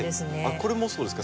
これもそうですか？